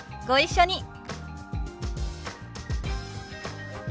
ご一緒に。